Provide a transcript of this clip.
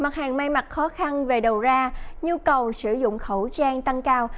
mặt hàng may mặt khó khăn về đầu ra nhu cầu sử dụng khẩu trang tăng cao